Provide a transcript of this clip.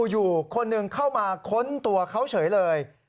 อยู่คนหนึ่งเข้ามาค้นตัวเขาเฉยเลย